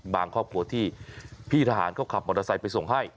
ครอบครัวที่พี่ทหารเขาขับมอเตอร์ไซค์ไปส่งให้